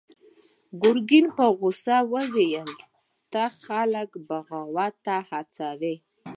ګرګين په غوسه وويل: ته خلک بغاوت ته هڅوې!